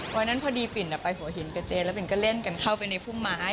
วันนั้นพอดีปิ่นไปหัวหินกับเจนแล้วปิ่นก็เล่นกันเข้าไปในพุ่มไม้